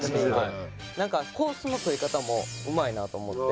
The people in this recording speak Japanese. なんかコースの取り方もうまいなと思って。